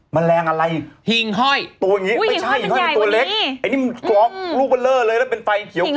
ตัวอย่างนี้ไม่ใช่หญิงห้อยเป็นตัวเล็กไอ้นี่มันกรอบรูปเบอร์เลอร์เลยแล้วเป็นไฟเขียว